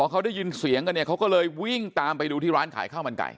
เขาได้ยินเสียงกันเนี่ยเขาก็เลยวิ่งตามไปดูที่ร้านขายข้าวมันไก่